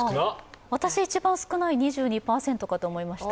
私、一番少ない２２％かと思いました。